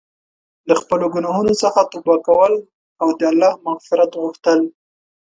د خپلو ګناهونو څخه توبه کول او د الله مغفرت غوښتل.